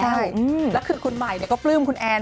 แล้วคือคุณใหม่ก็ปลื้มคุณแอน